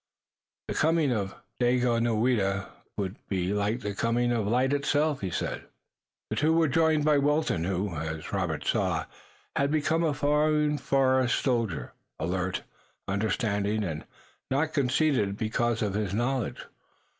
"The coming of Daganoweda would be like the coming of light itself," he said. They were joined by Wilton, who, as Robert saw, had become a fine forest soldier, alert, understanding and not conceited because of his knowledge.